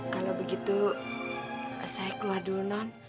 kalau begitu saya keluar dulu non